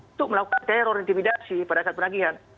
untuk melakukan teror intimidasi pada saat penagihan